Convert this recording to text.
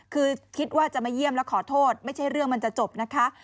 คือคิดว่าจะมาเยี่ยมแล้วขอโทษไม่ใช่เรื่องมันจะจบนะคะ